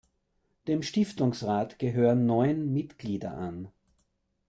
Dem Stiftungsrat gehören neun Mitglieder an.